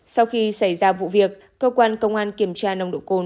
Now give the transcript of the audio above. sau khi xảy ra vụ việc cơ quan công an kiểm tra nồng độ cồn